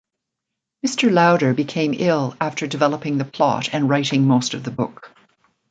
Mr. Lowder became ill after developing the plot and writing most of the book.